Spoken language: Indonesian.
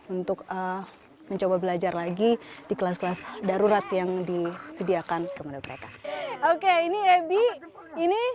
untuk mencoba belajar lagi di kelas kelas darurat yang disediakan kepada mereka oke ini ebi ini